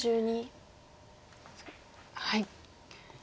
はい。